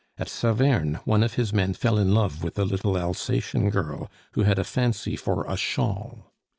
At Saverne, one of his men fell in love with a little Alsatian girl who had a fancy for a shawl.